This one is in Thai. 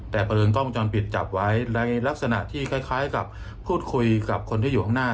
แต่เผอิญกล้องวงจรปิดจับไว้ในลักษณะที่คล้ายกับพูดคุยกับคนที่อยู่ข้างหน้า